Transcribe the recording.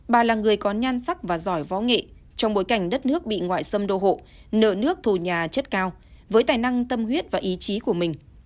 bà là người có nhan sắc và giỏi võ nghệ trong bối cảnh đất nước bị ngoại xâm đô hộ nợ nước thù nhà chất cao với tài năng tâm huyết và ý chí của mình